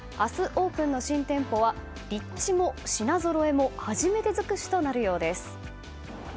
オープンの新店舗は立地も品ぞろえも初めて尽くしとなるようです。